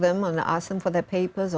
merawakan mereka dan meminta mereka